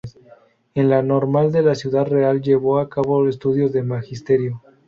En la Normal de Ciudad Real llevó a cabo estudios de Magisterio.